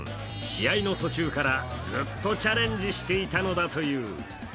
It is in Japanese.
試合の途中からずっとチャレンジしていたのだという。